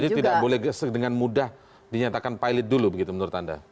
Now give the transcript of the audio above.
jadi tidak boleh dengan mudah dinyatakan pilot dulu begitu menurut anda